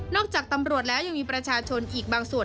จากตำรวจแล้วยังมีประชาชนอีกบางส่วน